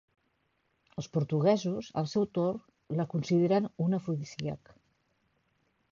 Els portuguesos, al seu torn, la consideren un afrodisíac.